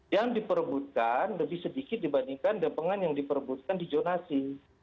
yang diperebutkan lebih sedikit dibandingkan depengan yang diperebutkan di jonasi